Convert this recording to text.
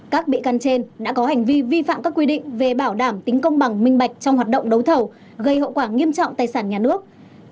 các bị can trên đã có hành vi vi phạm các quy định về bảo đảm tính công bằng minh bạch trong hoạt động đấu thầu gây hậu quả nghiêm trọng tài sản nhà nước